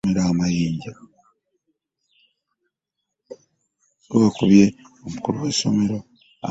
Ggwe wakubye omukulu w'essomero amayinja?